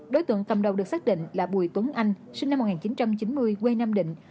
đối tượng cầm đầu được xác định là bùi tuấn anh sinh năm một nghìn chín trăm chín mươi quê nam định